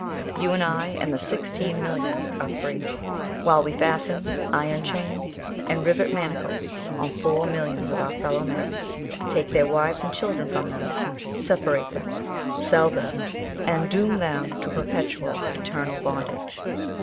You, and I, and the sixteen millions are free, while we fasten iron chains, and rivet manacles on four millions of our fellowmen take their wives and children from them separate them sell them, and doom them to perpetual, eternal bondage.